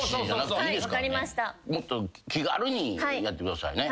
もっと気軽にやってくださいね。